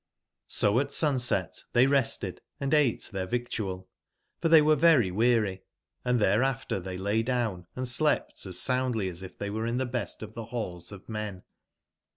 O at sunset they rested and ate their victual, for they were very weary ; and thereafter they lay down, & slept as soundly as if they were in the best of the halls of men.